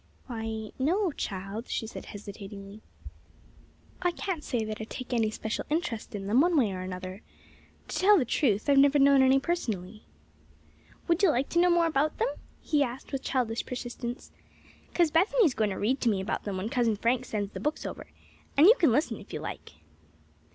"Why, no, child," she said, hesitatingly. "I can't say that I take any special interest in them, one way or another. To tell the truth, I've never known any personally." "Would you like to know more about them?" he asked, with childish persistence. "'Cause Bethany's going to read to me about them when Cousin Frank sends the books over, and you can listen if you like."